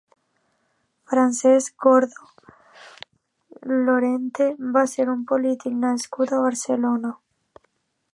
Francesc Gordo Lorente va ser un polític nascut a Barcelona.